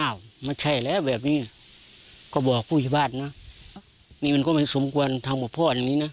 อ้าวมันใช่แล้วแบบนี้ก็บอกผู้ใหญ่บ้านนะนี่มันก็ไม่สมควรทำกับพ่ออย่างนี้นะ